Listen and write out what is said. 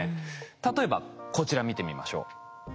例えばこちら見てみましょう。